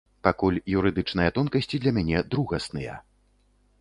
Пакуль юрыдычныя тонкасці для мяне другасныя.